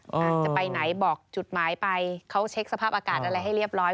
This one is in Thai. อาจจะไปไหนบอกจุดหมายไปเขาเช็คสภาพอากาศอะไรให้เรียบร้อย